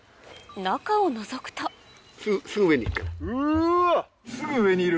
中をのぞくとすぐ上にいるから。